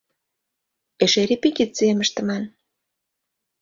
Эше репетицийым ыштыман.